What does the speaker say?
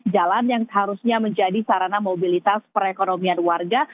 jalan yang harusnya menjadi sarana mobilitas perekonomian warga